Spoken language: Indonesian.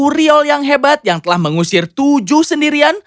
aku riol yang hebat yang telah mengusir tujuh sendirian